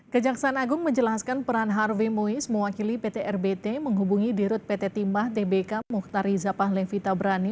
kejaksaan agung menjelaskan peran harvey moise mewakili pt rbt menghubungi dirut pt timah tbk mukhtari zapat levita berani